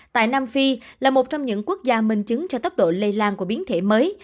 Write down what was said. tại nam phi là một trong những quốc gia minh chứng cho tốc độ lây lan của biến thể mới